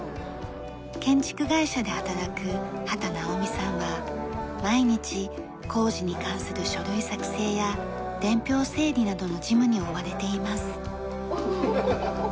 建築会社で働く畠直実さんは毎日工事に関する書類作成や伝票整理などの事務に追われています。